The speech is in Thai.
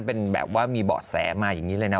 เป็นแบบว่ามีเบาะแสมาอย่างนี้เลยนะ